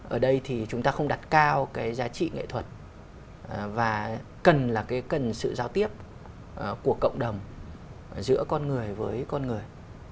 ở đây thì chúng ta không đặt cao giá trị nghệ thuật và cần sự giao tiếp của cộng đồng giữa con người với con người